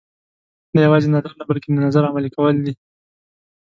دا یوازې نظر نه بلکې د نظر عملي کول دي.